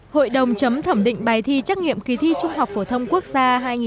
hội đồng chấm thẩm định bài thi trắc nghiệm kỳ thi trung học phổ thông quốc gia hai nghìn một mươi tám